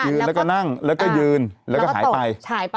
แล้วก็นั่งแล้วก็ยืนแล้วก็หายไป